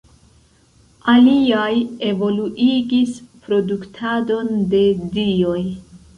Aliaj evoluigis produktadon de dioj.